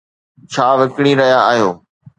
ڇا وڪڻي رهيا آهيو؟